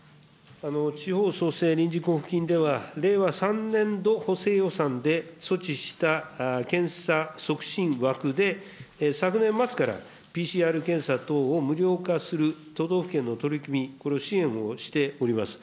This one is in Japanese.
地方創生臨時交付金では、令和３年度補正予算で措置した検査促進枠で、昨年末からＰＣＲ検査等を無料化する都道府県の取り組み、これを支援をしております。